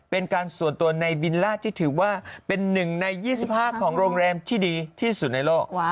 เป็นการส่วนตัวในบิลล่าที่ถือว่าเป็น๑ใน๒๕ของโรงแรมที่ดีที่สุดในโลก